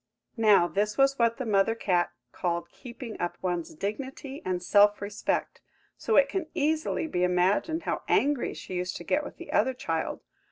Now this was what the mother cat called keeping up one's dignity and self respect, so it can easily be imagined how angry she used to get with the other child.